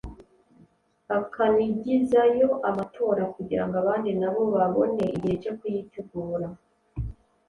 akanigizayo amatora kugirango abandi nabo babone igihe cyo kuyitegura